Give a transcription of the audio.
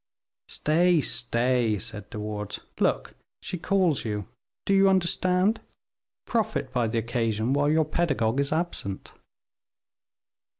"Stay, stay," said De Wardes; "look, she calls you, do you understand? Profit by the occasion, while your pedagogue is absent."